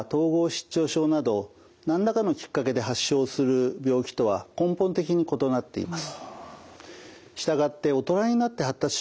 失調症など何らかのきっかけで発症する病気とは根本的に異なっています。